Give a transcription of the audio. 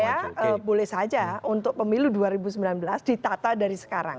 jadi menurut saya boleh saja untuk pemilu dua ribu sembilan belas ditata dari sekarang